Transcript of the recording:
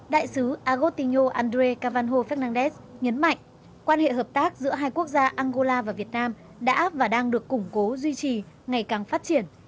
đại sứ agotinho andré cavanho fernandes nhấn mạnh quan hệ hợp tác giữa hai quốc gia angola và việt nam đã và đang được củng cố duy trì ngày càng phát triển